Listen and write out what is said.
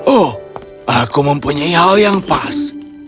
oh aku mempunyai hal yang pas